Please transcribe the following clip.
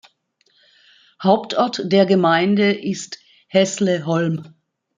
Hauptort der Gemeinde ist Hässleholm.